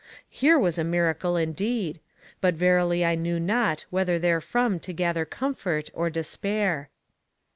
Here was a miracle indeed! but verily I knew not whether therefrom to gather comfort or despair.